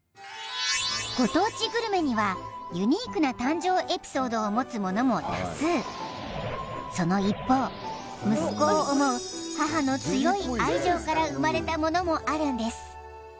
ご当地グルメにはユニークな誕生エピソードを持つものも多数その一方息子を思う母の強い愛情から生まれたものもあるんです